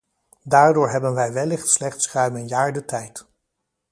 Daardoor hebben wij wellicht slechts ruim een jaar de tijd.